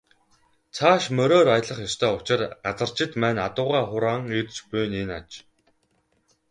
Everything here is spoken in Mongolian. Цааш мориор аялах ёстой учир газарчид маань адуугаа хураан ирж буй нь энэ аж.